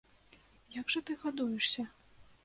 Як жа ты гадуешся?